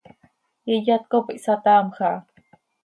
iyat cop ihsataamj aha.